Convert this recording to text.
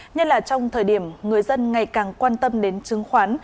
nhất là trong thời điểm người dân ngày càng quan tâm đến chứng khoán